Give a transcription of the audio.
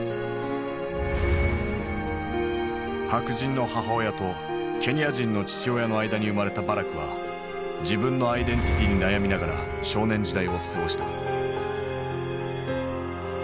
白人の母親とケニア人の父親の間に生まれたバラクは自分のアイデンティティーに悩みながら少年時代を過ごした。